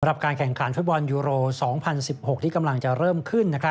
การแข่งขันฟุตบอลยูโร๒๐๑๖ที่กำลังจะเริ่มขึ้น